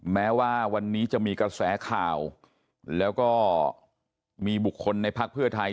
แม้ว่าวันนี้จะมีกระแสข่าวแล้วก็มีบุคคลในพักเพื่อไทย